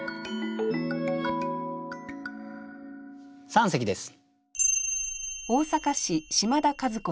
三席です。